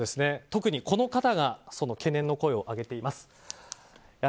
特にこの方がその懸念の声を上げています。